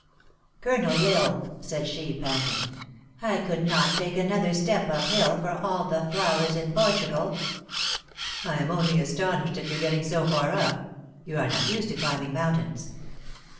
" Colonel L Isle," said she, panting, " I could not take another step up hill for all the flowers in Port ugal." " I am only astonished at your getting so far up. You are not used to climbing mountains."